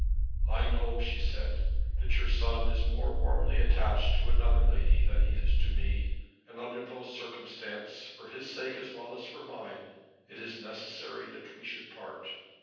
"I know," she said, "that your son is more warmly attached to another lady than he is to me, and under those circumstances, for his sake as well as for mine, it is necessary that we should part.